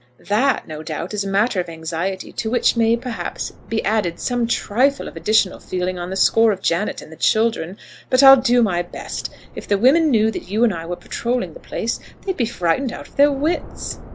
"That, no doubt, is matter of anxiety, to which may, perhaps, be added some trifle of additional feeling on the score of Janet and the children. But I'll do my best. If the women knew that you and I were patrolling the place, they'd be frightened out of their wits."